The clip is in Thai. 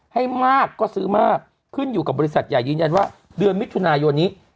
ให้มากก็ซื้อมากขึ้นอยู่กับบริษัทใหญ่ยืนยันว่าเดือนมิถุนายนนี้